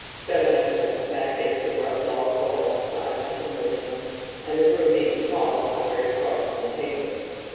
Seven of them sat against the rough log walls, silent and motionless, and, the room being small, not very far from the table.